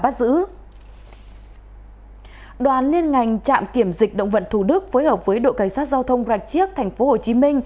trạm kiểm dịch động vật thủ đức phối hợp với đội cảnh sát giao thông rạch chiếc tp hcm